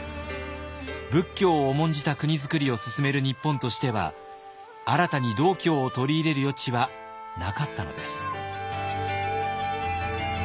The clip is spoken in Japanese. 仏教を重んじた国づくりを進める日本としては新たに道教を取り入れる余地はなかったのです。